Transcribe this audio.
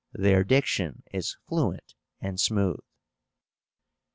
Their diction is fluent and smooth.